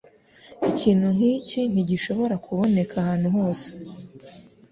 Ikintu nk'iki ntigishobora kuboneka ahantu hose.